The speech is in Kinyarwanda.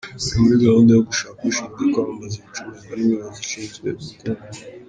Bari muri gahunda yo gushaka ushinzwe kwamamaza ibicuruzwa n’umuyobozi ushinzwe ubukungu.